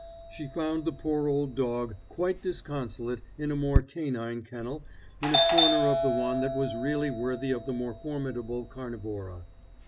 She found the poor old dog quite disconsolate in a more canine kennel in a corner of the one that was really worthy of the more formidable carnivora.